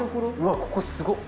ここすごっ！